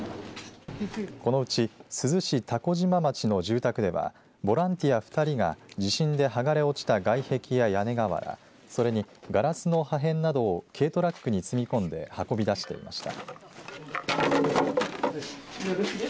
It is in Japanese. このうち珠洲市蛸島町の住宅ではボランティア２人が地震ではがれ落ちた外壁や屋根瓦それにガラスの破片などを軽トラックに積み込んで運び出していました。